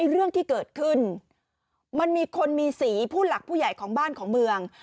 เรื่องที่เกิดขึ้นมันมีคนมีสีผู้หลักผู้ใหญ่ของบ้านของเมือง